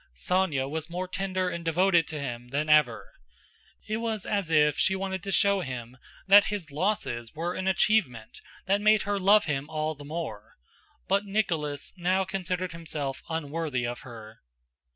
Sónya was more tender and devoted to him than ever. It was as if she wanted to show him that his losses were an achievement that made her love him all the more, but Nicholas now considered himself unworthy of her.